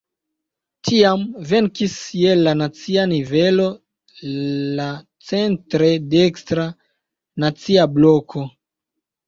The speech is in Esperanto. Tiam venkis je la nacia nivelo la centre dekstra "Nacia Bloko".